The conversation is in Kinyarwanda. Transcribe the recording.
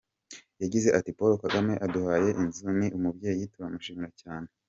Yagize ati “Paul Kagame aduhaye inzu ni umubyeyi turamushimira cyane.